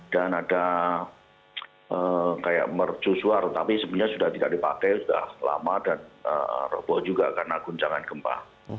dan ada kayak mercusuar tapi sebenarnya sudah tidak dipakai sudah lama dan reboh juga karena kencangan gempa